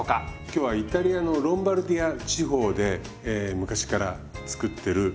今日はイタリアのロンバルディア地方で昔から作ってるリゾットがあるんですね。